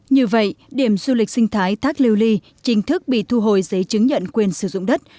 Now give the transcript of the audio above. như vậy điểm du lịch sinh thái thác liêu ly chính thức bị thu hồi giấy chứng nhận quyền sử dụng đất